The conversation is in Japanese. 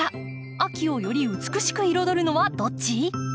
秋をより美しく彩るのはどっち？